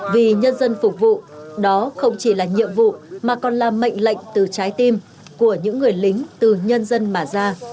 vì nhân dân phục vụ đó không chỉ là nhiệm vụ mà còn là mệnh lệnh từ trái tim của những người lính từ nhân dân mà ra